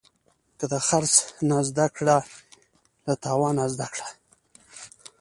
که د خرڅ نه زده کړې، له تاوانه زده کړه.